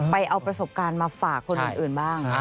ไปเอาประสบการณ์มาฝากคนอื่นบ้าง